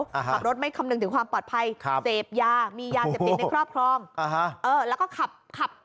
ขับรถไม่คำนึงถึงความปลอดภัยเสพยามียาเจ็บติดในครอบครอง